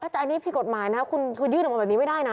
แต่อันนี้ผิดกฎหมายนะคุณคือยื่นออกมาแบบนี้ไม่ได้นะ